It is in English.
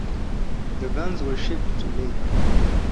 The guns were shipped to Leith.